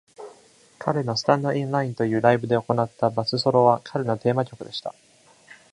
彼のスタンド・イン・ラインというライブで行ったバスソロは彼のテーマ曲でした。